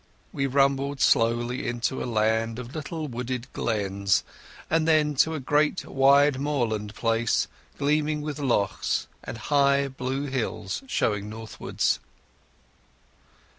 We rumbled slowly into a land of little wooded glens and then to a great wide moorland place, gleaming with lochs, with high blue hills showing northwards.